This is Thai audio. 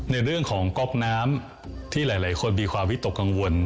ในเรื่องของก๊อกน้ำที่หลายคนมีความวิตกกังวล